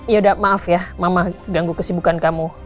ya udah maaf ya mama ganggu kesibukan kamu